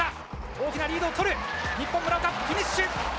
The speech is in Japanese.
大きなリードを取る、日本、村岡、フィニッシュ。